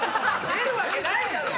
出るわけないだろ！